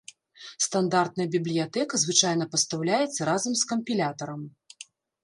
Стандартная бібліятэка звычайна пастаўляецца разам з кампілятарам.